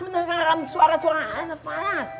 menerang suara suara anaknya